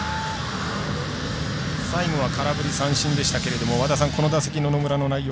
最後は空振り三振でしたけれど和田さん、この打席の野村の内容